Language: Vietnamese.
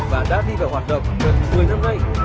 và đã đi vào hoạt động gần một mươi năm nay